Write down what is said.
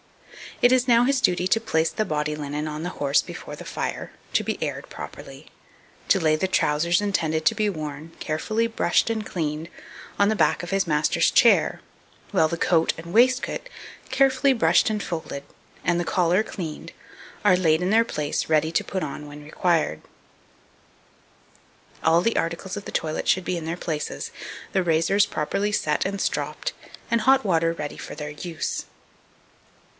It is now his duty to place the body linen on the horse before the fire, to be aired properly; to lay the trousers intended to be worn, carefully brushed and cleaned, on the back of his master's chair; while the coat and waistcoat, carefully brushed and folded, and the collar cleaned, are laid in their place ready to put on when required. All the articles of the toilet should be in their places, the razors properly set and stropped, and hot water ready for use. 2236.